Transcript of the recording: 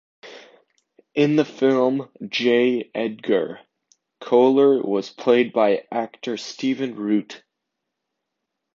In the film "J. Edgar" Koehler was played by actor Stephen Root.